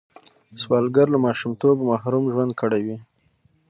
سوالګر له ماشومتوبه محروم ژوند کړی وي